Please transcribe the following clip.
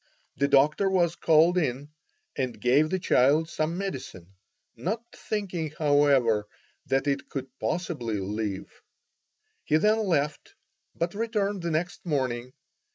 The doctor was called in and gave the child some medicine, not thinking, however, that it could possibly live. He then left, but returned the next morning.